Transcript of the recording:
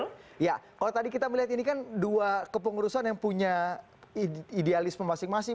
kalau tadi kita melihat ini kan dua kepengurusan yang punya idealisme masing masing